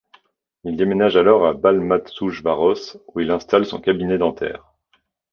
Il déménage alors à Balmazújváros, où il installe son cabinet dentaire.